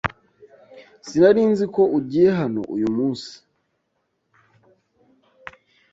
Sinari nzi ko ugiye hano uyu munsi